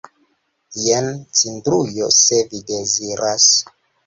Jen cindrujo, se vi deziras.